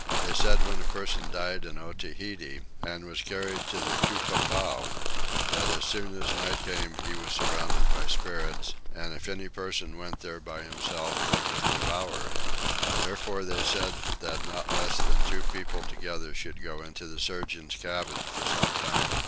They said when a man died in Otaheite and was carried to the Tupapow that as soon as night came he was surrounded by spirits, and if any person went there by himself they would devour him: therefore they said that not less than two people together should go into the surgeon's cabin for some time.